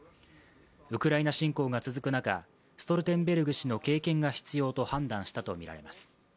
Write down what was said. ウクライナ侵攻が続く中、ストルテンベルグ氏の経験が必要と判断したとみられます。